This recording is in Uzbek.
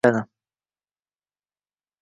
Faqat ukam yig‘laganida hushi joyiga keladi...